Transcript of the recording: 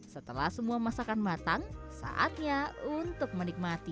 setelah semua masakan matang saatnya untuk menikmati